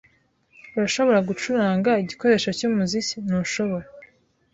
Urashobora gucuranga igikoresho cyumuziki, ntushobora?